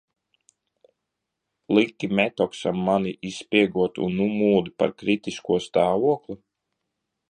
"Liki Metoksam mani izspiegot un nu muldi par "kritisko stāvokli"?"